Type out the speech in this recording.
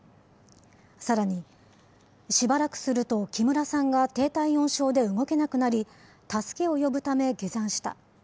さらに、しばらくすると木村さんが低体温症で動けなくなり、助けを呼ぶため下山した。